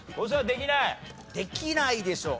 できないでしょ。